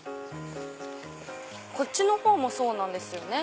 こっちの方もそうなんですよね。